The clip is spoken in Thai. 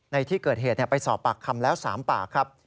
ในที่เกิดเหตุไปสอบปากคำแล้ว๓ปากครับ